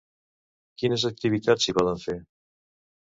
Quines activitats s'hi poden fer?